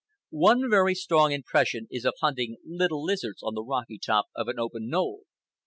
One very strong impression is of hunting little lizards on the rocky top of an open knoll.